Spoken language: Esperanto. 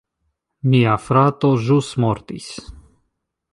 Mia frato ĵus mortis